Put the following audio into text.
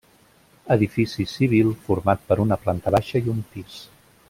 Edifici civil format per una planta baixa i un pis.